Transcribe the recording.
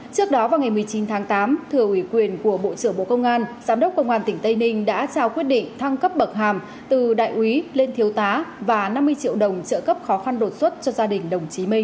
trước đó vào ngày một mươi chín tháng tám thừa ủy quyền của bộ trưởng bộ công an giám đốc công an tỉnh tây ninh đã trao quyết định thăng cấp bậc hàm từ đại úy lên thiếu tá và năm mươi triệu đồng trợ cấp khó khăn đột xuất cho gia đình đồng chí